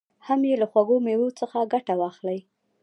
هم یې له خوږو مېوو څخه ګټه واخلي.